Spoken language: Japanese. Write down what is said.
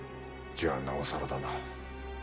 じゃなおさらだな。